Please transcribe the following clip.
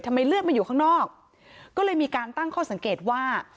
เลือดมาอยู่ข้างนอกก็เลยมีการตั้งข้อสังเกตว่า